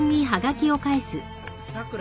さくら。